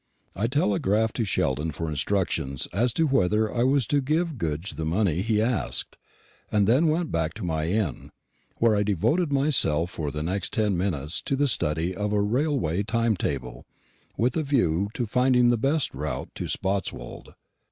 I telegraphed to Sheldon for instructions as to whether I was to give Goodge the money he asked, and then went back to my inn, where I devoted myself for the next ten minutes to the study of a railway time table, with a view to finding the best route to Spotswold.